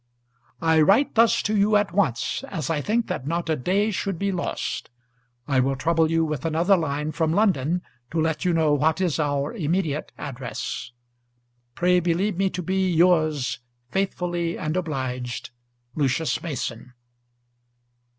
I write thus to you at once as I think that not a day should be lost. I will trouble you with another line from London, to let you know what is our immediate address. Pray believe me to be Yours, faithfully and obliged, LUCIUS MASON.